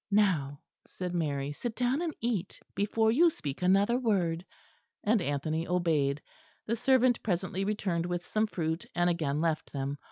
"Now," said Mary, "sit down and eat before you speak another word." And Anthony obeyed. The servant presently returned with some fruit, and again left them.